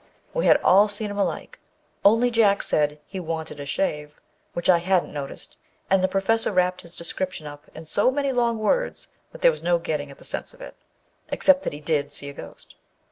We had all seen him alike, only Jack said he "wanted a shave," which I hadn't noticed, and the Professor wrapped his description up in so many long words that there was no getting at the sense of it â except that he did see a ghost.